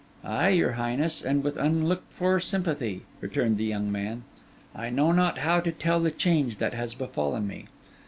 'Ay, your highness, and with unlooked for sympathy,' returned the young man. 'I know not how to tell the change that has befallen me.